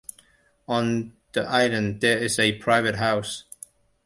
On the island there is a private house.